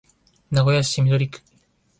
名古屋市緑区